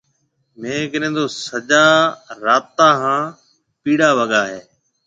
ميه ڪنَي تو سجا راتا هانَ پيڙا وگا هيَ۔